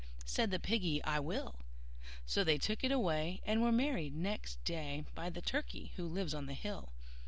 Said the Piggy, "I will." So they took it away, and were married next day By the Turkey who lives on the hill.